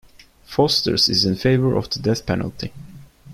Foster's is in favor of the death penalty.